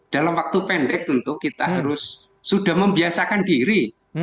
dalam waktu pendek tentu kita harus sudah membiasakan diri